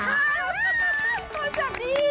พลาสชิมดี